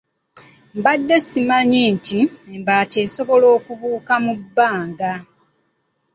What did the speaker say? Mbadde simanyi nti embaata esobola okubuuka mu bbanga